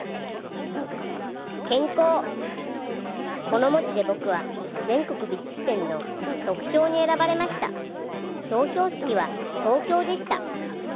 この文字で僕は全国美術展の特賞に選ばれました表彰式は東京でした